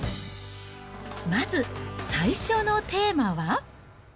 まず最初のテーマは。